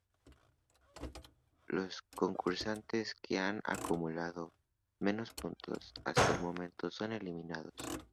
Los concursantes que han acumulado menos puntos hasta el momento son eliminados.